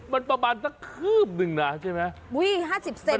มันประมาณสักครือบหนึ่งน่ะใช่ไหมอุ้ยห้าสิบเซน